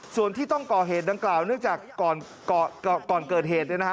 ส่วนที่ต้องก่อเหตุดังกล่าวนึกจากก่อนเกิดเหตุนะฮะ